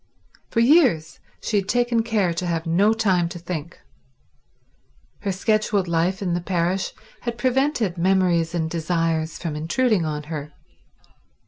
For years she had taken care to have no time to think. Her scheduled life in the parish had prevented memories and desires from intruding on her.